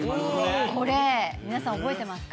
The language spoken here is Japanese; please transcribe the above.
これ、皆さん覚えてますか。